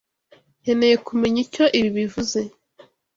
Nkeneye kumenya icyo ibi bivuze.